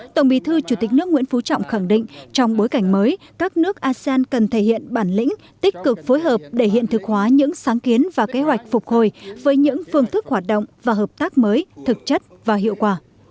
tổng bí thư chủ tịch nước nguyễn phú trọng khẳng định trong bối cảnh mới các nước asean cần thể hiện bản lĩnh tích cực phối hợp để hiện thực hóa những sáng kiến và kế hoạch phục hồi với những phương thức hoạt động và hợp tác mới thực chất và hiệu quả